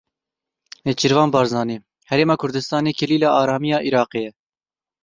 Nêçîrvan Barzanî: Herêma Kurdistanê kilîla aramiya Iraqê ye.